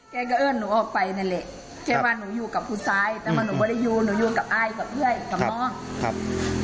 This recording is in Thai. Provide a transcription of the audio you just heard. ก็ค่ะพึ่งคบกัน